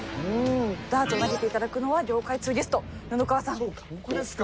ダーツを投げていただくのは業界通ゲスト僕ですか？